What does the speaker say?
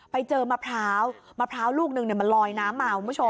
ไปเจอมะพร้าวมะพร้าวลูกหนึ่งมันลอยน้ำมา